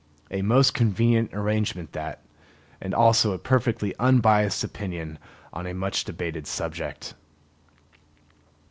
A most convenient arrangement that; and also a perfectly unbiased opinion on a much debated subject.